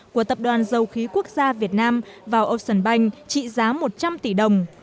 của tập đoàn dầu khí quốc gia việt nam vào ocean bank trị giá một trăm linh tỷ đồng